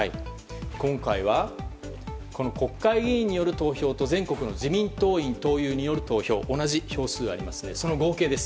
今回は国会議員による投票と全国の自民党員・党友による投票同じ票数があります。